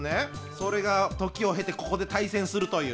それが時を経てここで対戦するという。